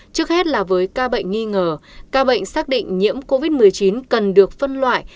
trước hết là với ca bệnh nghi ngờ ca bệnh xác định nhiễm covid một mươi chín cần được phân loại